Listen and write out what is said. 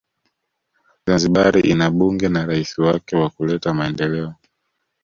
Zanzibari ina bunge na rais wake wakuleta Maendeleo